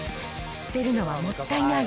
捨てるのはもったいない？